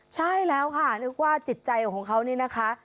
ใช่แล้วค่ะนึกว่าจิตใจของเขานี่นะคะ